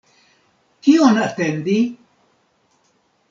Kion atendi?